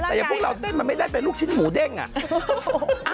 แต่อย่างพวกเรามันไม่ได้เป็นลูกชิ้นหมูเด้งอ่ะ